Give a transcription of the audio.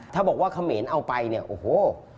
ถ้าบอกว่าเขาเหมียนเอาไปโอ้โฮ